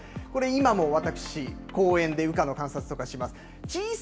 これ今も私、公園で羽化の観察とかをします。